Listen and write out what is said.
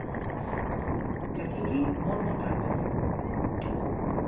Que tingui molt bon record!